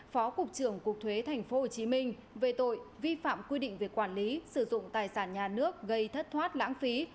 phó cục trưởng cục thuế tp hcm về tội vi phạm quy định về quản lý sử dụng tài sản nhà nước gây thất thoát lãng phí